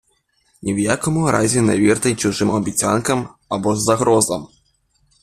Ні в якому разі не вірте чужим обіцянкам або ж загрозам.